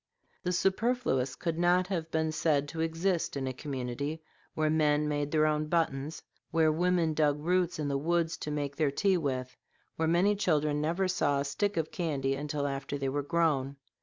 The superfluous could not have been said to exist in a community where men made their own buttons, where women dug roots in the woods to make their tea with, where many children never saw a stick of candy until after they were grown.